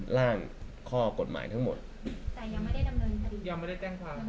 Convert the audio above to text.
ล่างข้อกฎหมายทั้งหมดยังไม่ได้แจ้งความ